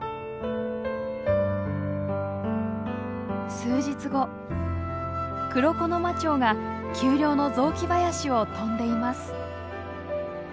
数日後クロコノマチョウが丘陵の雑木林を飛んでいます。